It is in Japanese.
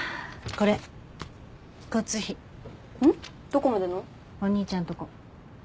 どこまでの？お兄ちゃんとこ。